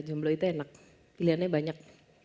jomblo itu enak pilihannya banyak